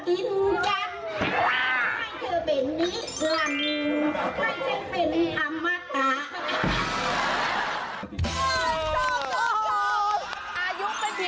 ให้เธอเป็นนิรัมให้ฉันเป็นธรรมดา